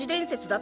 だ